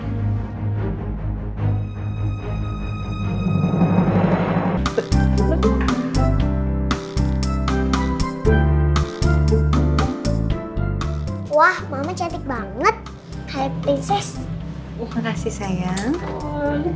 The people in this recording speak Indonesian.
sampai jumpa di video selanjutnya